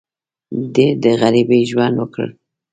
ډېر د غریبۍ ژوند وکړ.